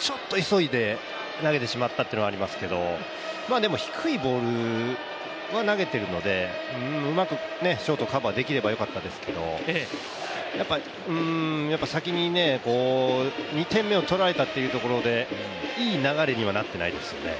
ちょっと急いで投げてしまったというのはありますけどでも低いボールは投げているのでうまくショート、カバーできればよかったですけどうーん、先に２点目をとられたっていうところで、いい流れにはなっていないですよね。